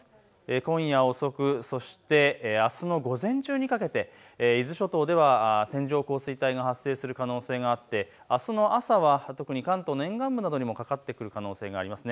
今夜遅く、そしてあすの午前中にかけて伊豆諸島では線状降水帯が発生する可能性があって、あすの朝は特に関東の沿岸部などにもかかってくる可能性があります。